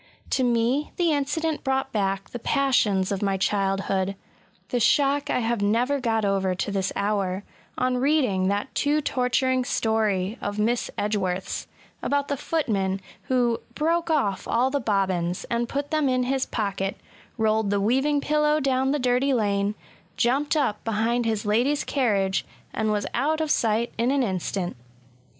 To me the incident brought back the passions of my childhood—the shock I have never got over to this hour— on reading that too torturing story of Miss Edgeworth's, about the footman, who '* broke off all the bobbins, and put them ia his pocket, rolled the weaving pillow down the dirty lane, jumped up behind his lady'^s carriage, and was out of sight in an instant."